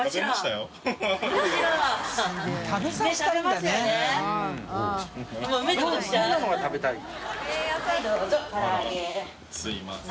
すいません。